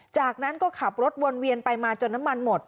จากนั้นก็ขับรถวนเวียนไปมาจนน้ำมันหมด